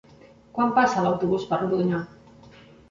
Quan passa l'autobús per Rodonyà?